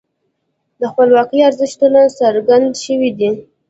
د خپلواکۍ ارزښتونه څرګند شوي دي.